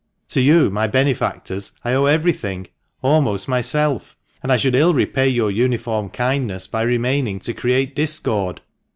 To you, my benefactors, I owe everything — almost myself; and I should ill repay your uniform kindness by remaining to create discord."